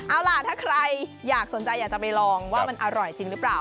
เอาล่ะถ้าใครอยากสนใจอยากจะไปลองว่ามันอร่อยจริงหรือเปล่า